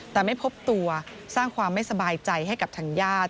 แต่ไม่พบตัวสร้างความไม่สบายใจให้กับทางญาติ